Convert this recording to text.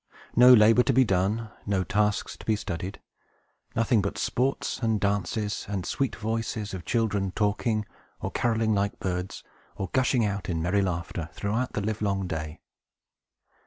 No labor to be done, no tasks to be studied; nothing but sports and dances, and sweet voices of children talking, or carolling like birds, or gushing out in merry laughter, throughout the livelong day.